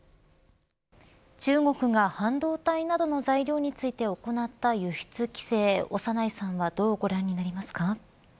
中国が半導体などの材料について行った輸出規制長内さんはどうご覧になりますか。